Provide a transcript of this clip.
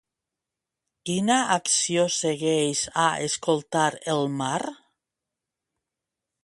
Quina acció segueix a escoltar el mar?